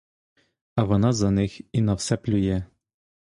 А вона за них і на все плює!